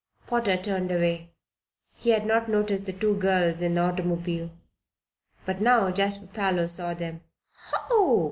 Potter turned away. He had not noticed the two girls in the automobile. But now Jasper Parloe saw them. "Ho!"